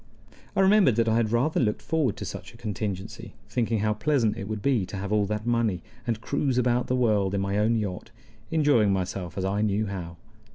I remembered that I had rather looked forward to such a contingency, thinking how pleasant it would be to have all that money, and cruise about the world in my own yacht, enjoying myself as I knew how.